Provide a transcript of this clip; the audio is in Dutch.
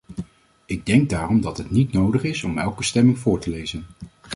Ik denk daarom dat het niet nodig is om elke stemming voor te lezen.